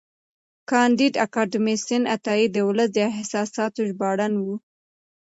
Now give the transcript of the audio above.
کانديد اکاډميسن عطایي د ولس د احساساتو ژباړن و.